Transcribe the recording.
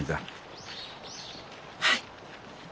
はい。